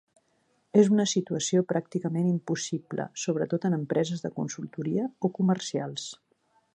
És una situació pràcticament impossible, sobretot en empreses de consultoria o comercials.